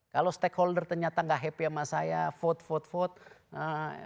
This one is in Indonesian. kalau stakeholder ternyata enggak happy sama saya vote vote vote